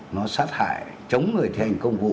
nó sát hại chống người thi hành công vụ